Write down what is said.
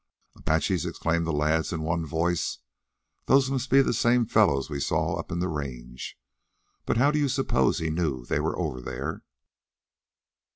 "Apaches!" exclaimed the lads in one voice. "Those must be the same fellows we saw up in the range. But how do you suppose he knew they were over there?"